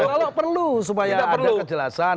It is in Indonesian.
kalau perlu supaya ada kejelasan